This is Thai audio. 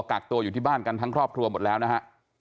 กักตัวอยู่ที่บ้านกันทั้งครอบครัวหมดแล้วนะฮะ